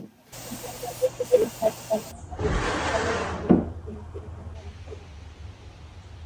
অনুমান করা হচ্ছে যে এই খালটি পানামা খাল ও সুয়েজ খালের মতো সামুদ্রিক পণ্য পরিবহনের উন্নতি করবে।